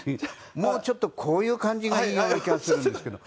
もうちょっとこういう感じがいいような気がするんですけど。